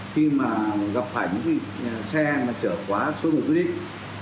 khi mà gặp phải những xe chở quá số quy định